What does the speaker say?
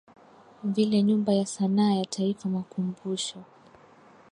vile Nyumba ya sanaa ya Taifa Makumbusho